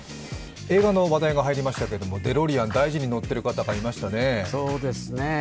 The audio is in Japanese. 映画の話題が入りましたけれどもデロリアン大事に乗っている方がいましたね。